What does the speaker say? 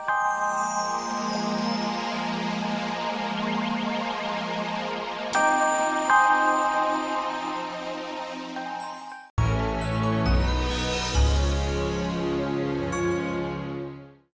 sampai jumpa lagi